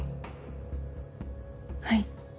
はい。